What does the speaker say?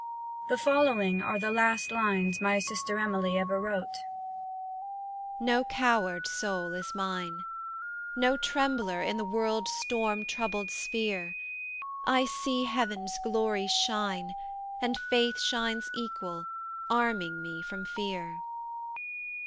The following are the last lines my sister Emily ever wrote: No coward soul is mine, No trembler in the world's storm troubled sphere: I see Heaven's glories shine, And faith shines equal, arming me from fear.